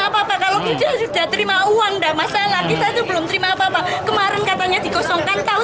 belum terima apa apa kalau kerja sudah terima uang dah mas